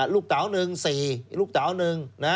เต๋า๑๔ลูกเต๋า๑